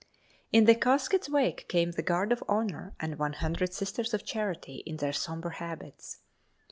In the casket's wake came the guard of honor and one hundred Sisters of Charity in their sombre habits.